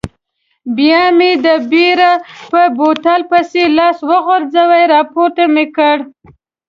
بیا مې د بیر په بوتل پسې لاس وروغځاوه، راپورته مې کړ.